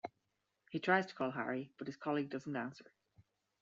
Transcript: He tries to call Harry, but his colleague doesn't answer.